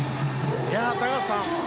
高橋さん